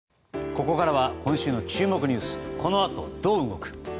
ここからは今週の注目ニュースこの後どう動く？